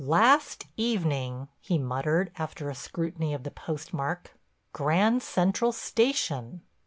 "Last evening," he muttered after a scrutiny of the postmark, "Grand Central Station."